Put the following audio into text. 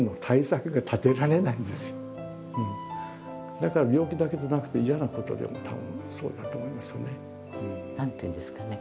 だからだから病気だけじゃなくて嫌なことでもたぶんそうだと思いますね。